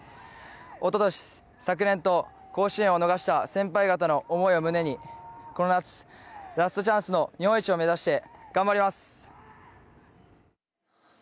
おととし、昨年と甲子園を逃した先輩方の思いを胸にこの夏、ラストチャンスの日本一を目指して、頑張ります。